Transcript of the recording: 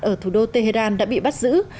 ở thủ đô tehran đã bị bắt giữ